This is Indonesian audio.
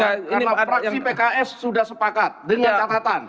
karena fraksi pks sudah sepakat dengan catatan